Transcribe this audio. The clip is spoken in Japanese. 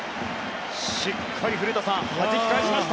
しっかり古田さんはじき返しました。